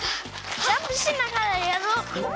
ジャンプしながらやろう！